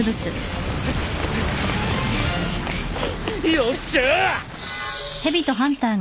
よっしゃ！